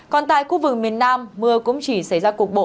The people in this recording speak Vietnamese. còn tại khu vực miền nam mưa cũng chỉ xảy ra cục bộ